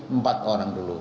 empat orang dulu